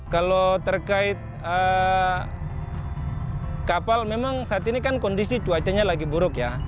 kalau terkait kapal memang saat ini kan kondisi cuacanya lagi buruk ya